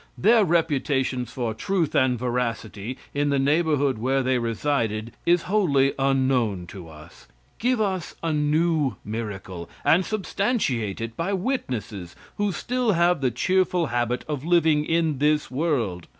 Their reputations for "truth and veracity" in the neighborhood where they resided is wholly unknown to us. Give us a new miracle, and substantiate it by witnesses who still have the cheerful habit of living in this world.